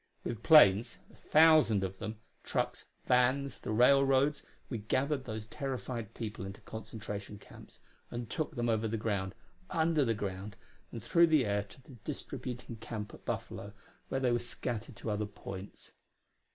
With planes a thousand of them trucks, vans, the railroads, we gathered those terrified people into concentration camps, and took them over the ground, under the ground, and through the air to the distributing camp at Buffalo, where they were scattered to other points.